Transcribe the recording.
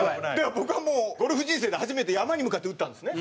僕はもうゴルフ人生で初めて山に向かって打ったんですね。